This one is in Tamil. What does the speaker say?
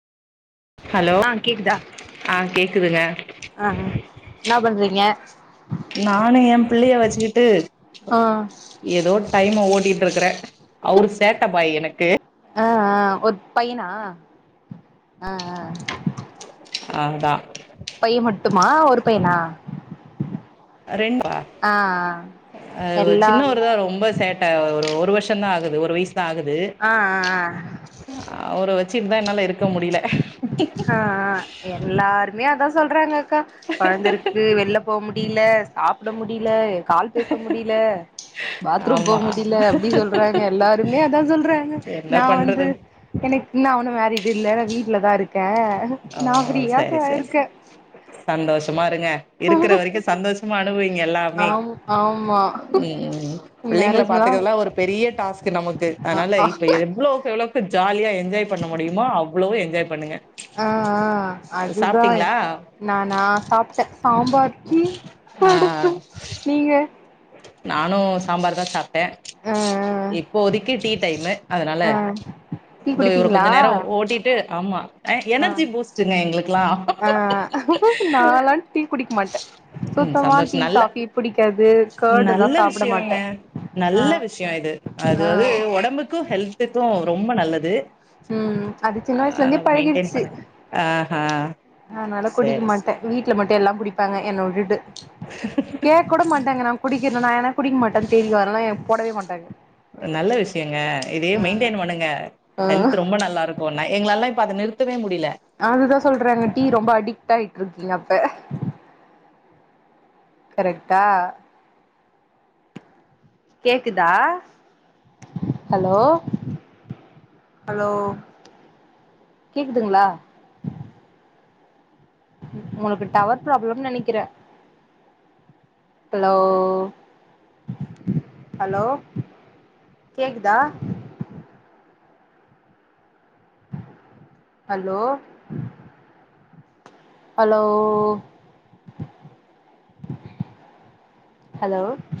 ஹலோ ஆ கேக்குதா ஆ கேக்குதுங்க அ அ என்னா பண்றீங்க நானு என் பிள்ளைய வச்சுக்கிட்டு ஆ ஏதோ டைம ஓட்டிட்டு இருக்கறேன் அவரு சேட்ட பாய் எனக்கு அ அ ஒரு பையனா அ அ நானுந்தான் பையன் மட்டுமா ஒரு பையனா ரெண்டா ஆ ஆ அ எல்லா சின்னவரு தான் ரொம்ப சேட் ட அ ஒரு வருஷம் தான் ஆகுது ஒரு வயசு தான் ஆகுது அ அ அ அவுர வச்சுட்டுதான் என்னால இருக்க முடியல அ அ எல்லாருமே அதான் சொல்றாங்க அக்கா கொழந்தயிருக்கு வெள்ல போ முடில சாப்ட முடில கால் பேச முடில பாத்ரூம் போ ஆமா முடில அப்டி சொல்றாங்க எல்லாருமே அதான் சொல்றாங்க என்ன நா வந்து பண்றது எனக்கு இன்னும் நா ஒன்னும் மேரிட் இல்ல நா வீட்ல தான் இருக்கேன் ஓ சரி சரி சந்தோஷமா இருங்க இருக்கிற வரைக்கும் சந்தோஷ மா அனுபைங்க எல்லாமே ஆம் ஆமா ம் ம் பிள்ளைங்கள மேரேஜ்லா பாத்துக்கிறதெல்லாம் ஒரு பெரிய டாஸ்க்கு நமக்கு அ அதனால ஆ இப்ப எவ்ளோக்கு எவ்ளோ ஜாலியா என்ஜாய் பண்ண முடியுமோ அவ்வளோவும் என்ஜாய் பண்ணுங்க அ அ அதுதான் சாப்ட்டீங்களா நானா சாப்ட்டேன் சாம்பார் ம் கடுப்பு நீங்க நானும் சம்பார் தான் சாப்ட் டேன் ஆ இப்போதைக்கு டீ டைமு அதனால ஆ டீ த்தோ இவர குடிப்பீங்களா கொஞ்ச நேரம் ஓட்டிட்டு ஆமா அ ஆ எனர்ஜி பூஸ்ட்டுங்க எங்களுக்கெல்லாம் ஆ நாளாம் டீ குடிக்க மாட்டே ம் சுத்தமா சந்தோஷ டீ நல்ல காஃபி புடிக்காது கர்ட் எல்லா நல்ல சாப்ட விஷயங்க மாட்டே ஆ நல்ல விஷயம் இது ஆ அதுவது ஒடம்புக்கு ஹெல் இப்போ ரொம்ப நல்லது ம் அது சின்ன வயசுல அனால இருந்தே அத மெய்டெண் பழகிடுச்சு பண்ணிட்ட ஆ ஹா அதனால குடிக்க மாட்டே வீட்ல மட்டு எல்லா குடிப்பாங்க என்ன விட்டுட்டு கேக்க கூட மாட்டாங்க நா குடிக்கிறனா ஏனா குடிக்க மாட்டேன் தெரியு அதனால எனக்கு போடவே மாட்டாங்க அ நல்ல விஷ்யங்க இதையே ஆ மெயின்டெய்ன் பண்ணுங்க ஆ ஹெல்த் ரொம்ப நல்லா இருக் கு நா எங்களாலலா இப்ப அத நிறுத்தவே முடிய்ல அதுதா சொல்றாங்க டீ ரொம்ப அடிக்ட் ஆயிட்ருக்கீங்க அப்ப கரெக்டா கேக்குதா ஹலோ ஹலோ கேக்குதுங்ளா உங்களுக்கு டவர் ப்ராப்ளம்னு நெனைக்கிறே ஹலோ ஹலோ கேக்குதா ஹலோ ஹலோ ஹலோ